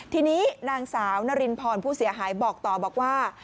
ทีนี้นางสาวนารินพรผู้เสียหายบอกต่อบอกว่า